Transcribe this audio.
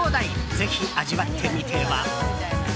ぜひ味わってみては？